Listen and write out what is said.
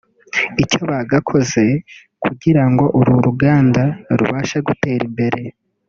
icyo bagakoze kugirango uru ruganda rubashe gutera imbere